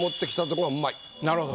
なるほど。